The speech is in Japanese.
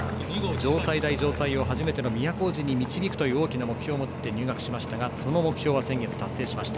城西大城西を初めての都大路に導くという、大きな目標を持って入学しましたがその目標は、先月達成しました。